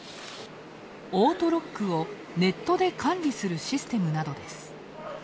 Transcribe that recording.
オートロックをネットで管理するシステムなどです。